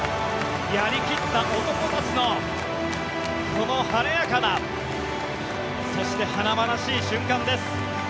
やり切った男たちのこの晴れやかなそして華々しい瞬間です。